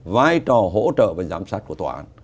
vai trò hỗ trợ về giám sát của tòa án